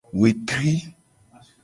Wetri.